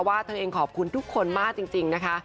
ว่าเธอเองขอบคุณทุกคนมากจริงนะคะ